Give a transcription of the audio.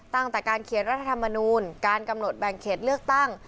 ตั้งแต่การเขียนรัฐธรรมนูลการกำหนดแบ่งเขตเลือกตั้ง